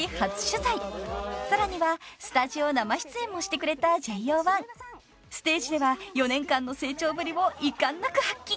［さらにはスタジオ生出演もしてくれたＪＯ１］［ステージでは４年間の成長ぶりを遺憾なく発揮］